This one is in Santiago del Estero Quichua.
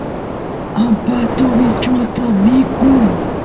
ampatu bichusta mikun